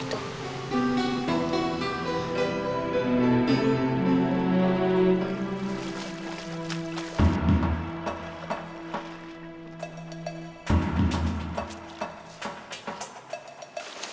di mana suruhanuko kami